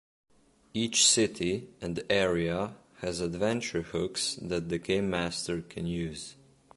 Each city and area has adventure hooks that the gamemaster can use.